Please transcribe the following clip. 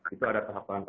itu ada tahapan tahapannya